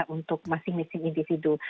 untuk masing masing individu